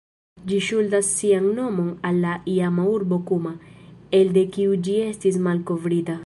Ĝi ŝuldas sian nomon al la iama urbo Kuma, elde kiu ĝi estis malkovrita.